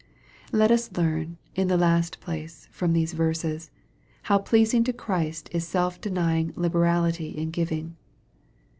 Let us learn, in the last place, from these verses, how pleasing to Christ is self denying liberality in giving.